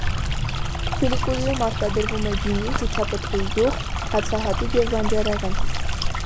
Ֆիլիկուդիում արտադրվում է գինի, ձիթապտղի յուղ, հացահատիկ և բանջարեղեն։